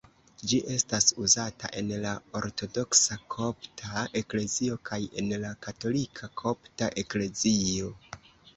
Ĝi estas uzata en la Ortodoksa Kopta Eklezio kaj en la Katolika Kopta Eklezio.